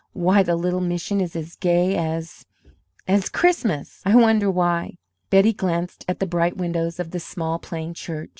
"Why, the little mission is as gay as as Christmas! I wonder why?" Betty glanced at the bright windows of the small plain church.